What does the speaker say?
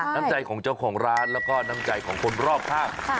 น้ำใจของเจ้าของร้านแล้วก็น้ำใจของคนรอบข้าง